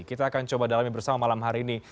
kita akan coba dalami bersama malam hari ini